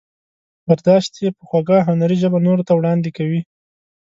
برداشت یې په خوږه هنري ژبه نورو ته وړاندې کوي.